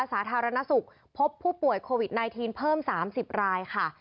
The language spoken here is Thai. สาธารณสุขพบผู้ป่วยโควิด๑๙เพิ่ม๓๐รายค่ะ